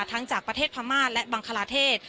จากประเทศพม่าและบังคลาเทศ